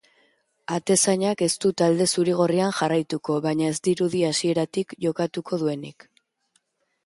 Atezainak ez du talde zuri-gorrian jarraituko, baina ez dirudi hasieratik jokatuko duenik.